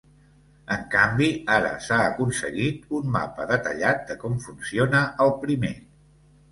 En canvi, ara s’ha aconseguit un mapa detallat de com funciona el primer.